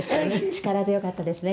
力強かったですね